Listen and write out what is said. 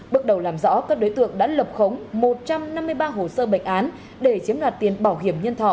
bước đầu làm rõ các đối tượng đã lập khống một trăm năm mươi ba hồ sơ bệnh án để chiếm đoạt tiền bảo hiểm nhân thọ